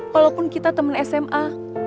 walaupun kita temen sma